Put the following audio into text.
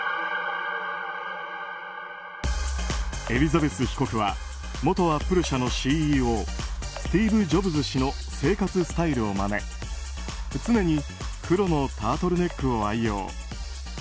エリザベス被告は元アップル社のＣＥＯスティーブ・ジョブズ氏の生活スタイルをまね常に黒のタートルネックを愛用。